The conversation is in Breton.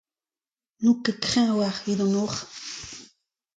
N'out ket kreñv a-walc'h evit an holc'h.